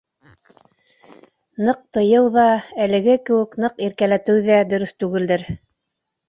Ныҡ тыйыу ҙа, әлеге кеүек ныҡ иркәләтеү ҙә дөрөҫ түгелдер.